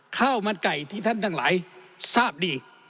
ข้าวมันไก่ที่ท่านทั้งหลายทราบดี